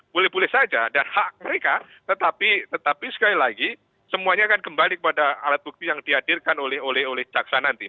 boleh boleh saja dan hak mereka tetapi sekali lagi semuanya akan kembali kepada alat bukti yang dihadirkan oleh caksa nanti